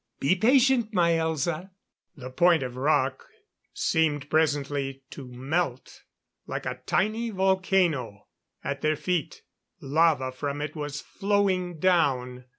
Be patient, my Elza." The point of rock seemed presently to melt. Like a tiny volcano, at their feet, lava from it was flowing down.